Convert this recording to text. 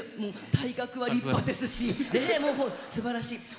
体格は立派ですしすばらしい。